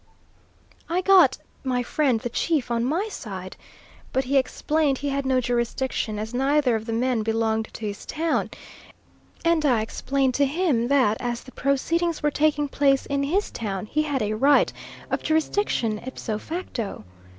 I got my friend the chief on my side; but he explained he had no jurisdiction, as neither of the men belonged to his town; and I explained to him, that as the proceedings were taking place in his town he had a right of jurisdiction ipso facto.